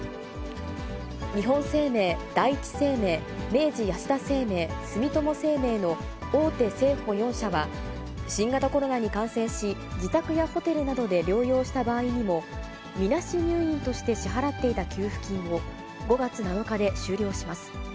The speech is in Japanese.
日本生命、第一生命、明治安田生命、住友生命の大手生保４社は、新型コロナに感染し、自宅やホテルなどで療養した場合にも、みなし入院として支払っていた給付金を５月７日で終了します。